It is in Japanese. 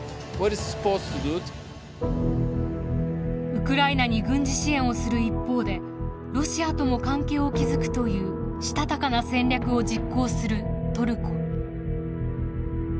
ウクライナに軍事支援をする一方でロシアとも関係を築くというしたたかな戦略を実行するトルコ。